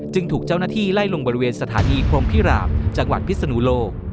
ถูกเจ้าหน้าที่ไล่ลงบริเวณสถานีพรมพิรามจังหวัดพิศนุโลก